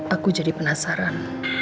aku jadi penasaran